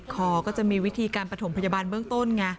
คอก็จะมีวิธีการประถมพยาบาลเบื้องต้นไง